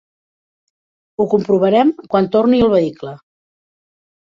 Ho comprovarem quan torni el vehicle.